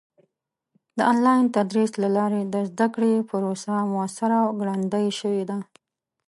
د آنلاین تدریس له لارې د زده کړې پروسه موثره او ګړندۍ شوې ده.